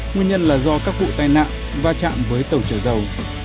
nguyên nhân là do các vụ tai nạn va chạm với tàu chở dầu